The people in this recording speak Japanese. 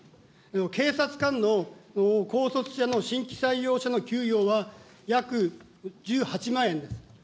警察官の高卒者の新規採用者の給与は約１８万円です。